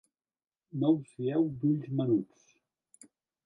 No us fieu d'ulls menuts.